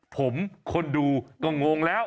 ผมคนดูก็งงแล้ว